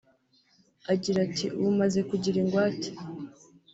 Agira ati “Ubu maze kugira ingwate